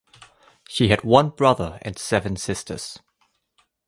She had one brother and seven sisters.